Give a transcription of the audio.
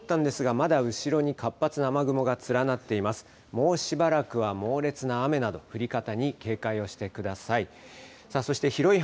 もうしばらくは猛烈な雨など降り方に警戒をしてください。